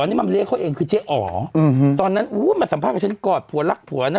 ใช่ใช่เพราะเจ๊รักผัวอยู่